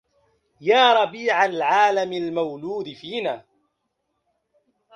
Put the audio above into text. يا ربيع العالم المولود فينا